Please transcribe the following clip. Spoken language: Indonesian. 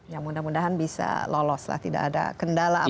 ya mudah mudahan bisa lolos lah tidak ada kendala apa